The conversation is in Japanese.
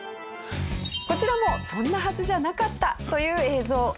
こちらもそんなはずじゃなかったという映像。